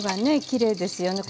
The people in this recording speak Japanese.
きれいですよね。